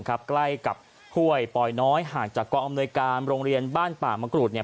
ขับปล่อยน้อยห่างจากกลางอำนวยกรรมโรงเรียนบ้านป่ามกรุฑเนี่ย